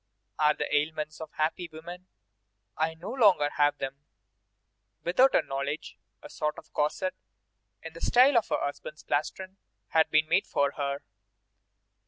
"are the ailments of happy women; I no longer have them." Without her knowledge a sort of corset, in the style of her husband's plastron, had been made for her.